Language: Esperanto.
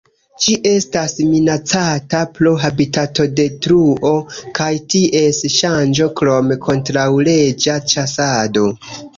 Ĝi estas minacata pro habitatodetruo kaj ties ŝanĝo krom kontraŭleĝa ĉasado.